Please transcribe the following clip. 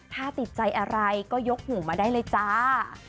ถ้าติดใจอะไรก็ยกหูมาได้เลยจ้า